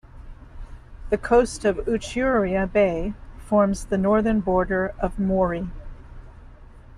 The coast of Uchiura Bay forms the northern border of Mori.